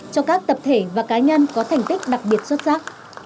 cho các tập thể và cá nhân có thành tích đặc biệt xuất sắc